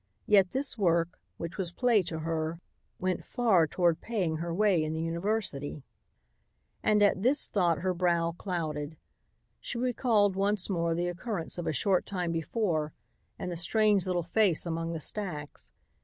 Yet this work, which was play to her, went far toward paying her way in the university. And at this thought her brow clouded. She recalled once more the occurrence of a short time before and the strange little face among the stacks.